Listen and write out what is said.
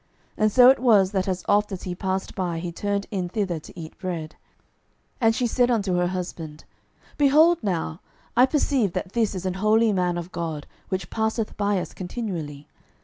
And so it was, that as oft as he passed by, he turned in thither to eat bread. 12:004:009 And she said unto her husband, Behold now, I perceive that this is an holy man of God, which passeth by us continually.